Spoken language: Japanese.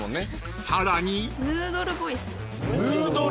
［さらに］